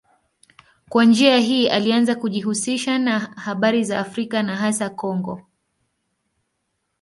Kwa njia hii alianza kujihusisha na habari za Afrika na hasa Kongo.